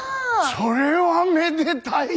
それはめでたい！